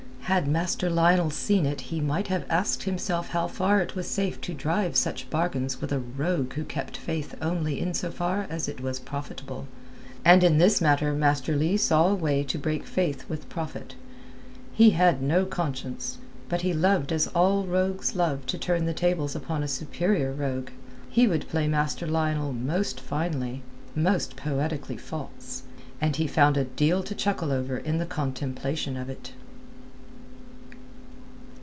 Had Master Lionel seen it he might have asked himself how far it was safe to drive such bargains with a rogue who kept faith only in so far as it was profitable. And in this matter Master Leigh saw a way to break faith with profit. He had no conscience, but he loved as all rogues love to turn the tables upon a superior rogue. He would play Master Lionel most finely, most poetically false; and he found a deal to chuckle over in the contemplation of it.